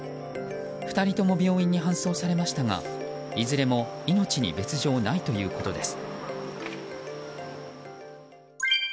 ２人とも病院に搬送されましたがいずれも命に別条はないということです。